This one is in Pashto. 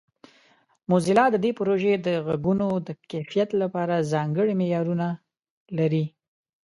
موزیلا د دې پروژې د غږونو د کیفیت لپاره ځانګړي معیارونه لري.